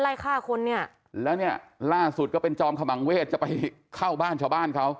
ไล่ฆ่าคนเนี่ยแล้วเนี่ยล่าสุดก็เป็นจอมขมังเวศจะไปเข้าบ้านชาวบ้านเขา